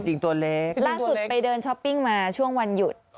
จริงตัวเล็กล่าสุดไปเดินช้อปปิ้งมาช่วงวันหยุด